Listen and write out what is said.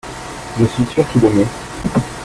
je suis sûr qu'il aimait.